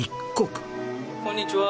こんにちは。